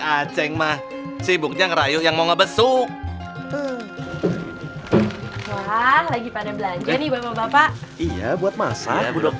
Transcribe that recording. oh hebat ya